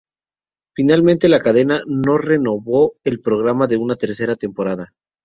Finalmente, la cadena no renovó el programa por una tercera temporada.